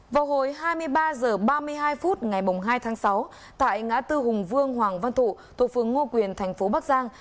vào hồi hai mươi ba h ba mươi hai phút ngày hai tháng sáu tại ngã tư hùng vương hoàng văn thụ thuộc phường ngô quyền thành phố bắc giang